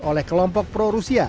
oleh kelompok pro rusia